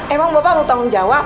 emang bapak mau tanggung jawab